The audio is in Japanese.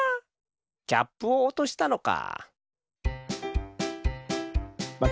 キャップをおとしたのか。